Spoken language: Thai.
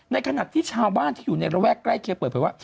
ขณะที่ชาวบ้านที่อยู่ในระแวกใกล้เคียงเปิดเผยว่า